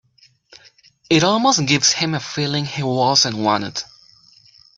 It almost gives him a feeling he wasn't wanted.